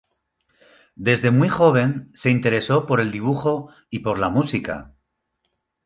Desde muy joven se interesó por el dibujo y por la música.